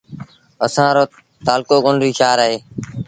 اسآݩ رو تآلڪو ڪنريٚ شآهر اهي